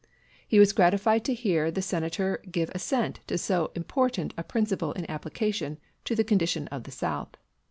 He was gratified to hear the Senator give assent to so important a principle in application to the condition of the South.